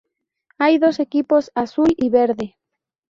Hay dos equipos: azul y verde.